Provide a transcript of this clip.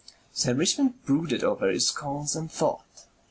Sir Richmond brooded over his sculls and thought.